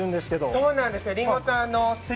そうなんです。